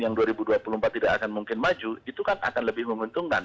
yang dua ribu dua puluh empat tidak akan mungkin maju itu kan akan lebih menguntungkan